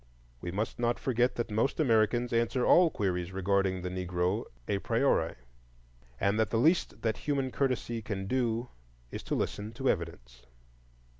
We must not forget that most Americans answer all queries regarding the Negro a priori, and that the least that human courtesy can do is to listen to evidence.